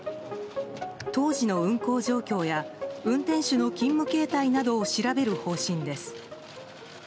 当時の運行状況や運転手の勤務形態などを調べる方針です。